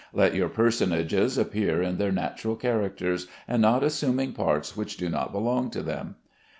Let your personages appear in their natural characters, and not assuming parts which do not belong to them.